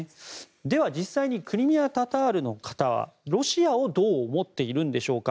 では、実際にクリミア・タタールの方はロシアをどう思っているんでしょうか。